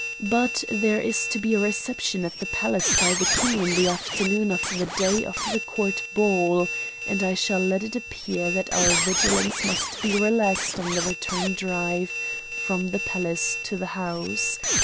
But there is to be a reception at the palace by the King on the afternoon of the day of the Court ball, and I shall let it appear that our vigilance must be relaxed on the return drive from the palace to the house.